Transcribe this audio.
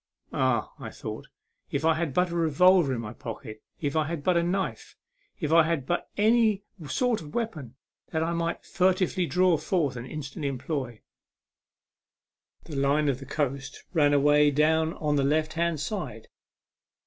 " Ah/' thought I, " if I had but a revolver in my pocket, if I had but a knife, if I had but any sort of weapon that I could furtively draw forth and instantly employ !" The line of coast ran away down on the left hand side.